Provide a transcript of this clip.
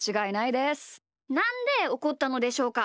なんでおこったのでしょうか？